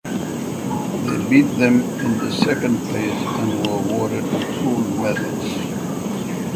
They beat them into second place and were awarded with gold medals.